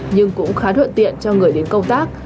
nhưng cũng khá thuận tiện cho người đến công tác